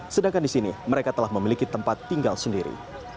sedangkan di sini mereka telah memiliki tempat tinggal sendiri